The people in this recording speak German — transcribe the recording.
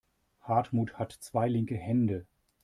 Hartmut hat zwei linke Hände.